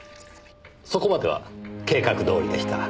そこまでは計画どおりでした。